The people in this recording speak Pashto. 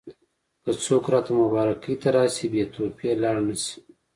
که څوک راته مبارکۍ ته راشي بې تحفې لاړ نه شي.